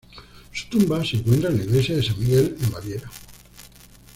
Su tumba se encuentra en la Iglesia de San Miguel en Baviera.